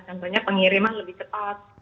contohnya pengiriman lebih cepat